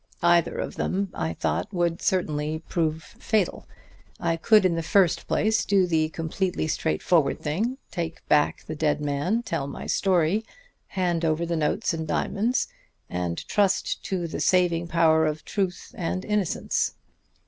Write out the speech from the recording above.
Either of them, I thought, would certainly prove fatal. I could, in the first place, do the completely straightforward thing: take back the dead man, tell my story, hand over the notes and diamonds, and trust to the saving power of truth and innocence.